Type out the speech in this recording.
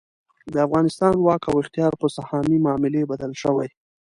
د افغانستان واک او اختیار په سهامي معاملې بدل شوی.